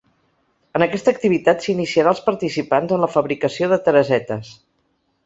En aquesta activitat s’iniciarà els participants en la fabricació de teresetes.